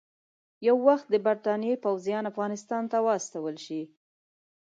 یو وخت د برټانیې پوځیان افغانستان ته واستول شي.